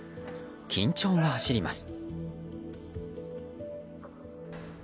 緊張が走ります。